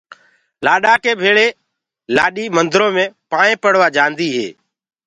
لآڏآݪا ڪي ڀيݪي لآڏي مندرو مي پائينٚ پڙوآ جآندي هي۔